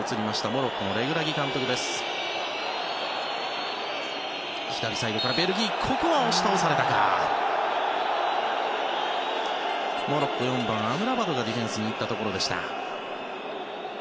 モロッコ、４番アムラバトがディフェンスに行ったところでした。